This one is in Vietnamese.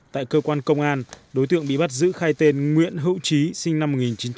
tại cơ quan công an đối tượng bị bắt giữ khai tên nguyễn hữu trí sinh năm một nghìn chín trăm tám mươi